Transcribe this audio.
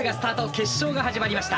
決勝が始まりました。